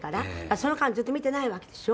その間ずっと見てないわけでしょ？